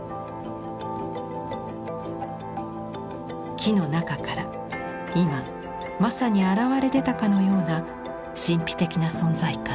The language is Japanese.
木の中から今まさに現れ出たかのような神秘的な存在感。